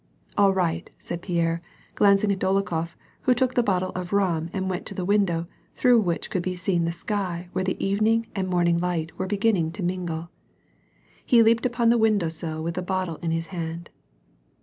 All right," said Pierre, glancing at Dolokhof, who took the bottle of rum and went to the window, through which could be seen the sky where the evening and morning light were beginning to mingle — He leaped upon the window sill with the bottle in his hand.